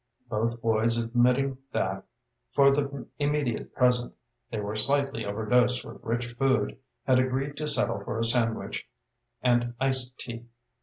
Both boys, admitting that, for the immediate present, they were slightly overdosed with rich food, had agreed to settle for a sandwich and iced tea.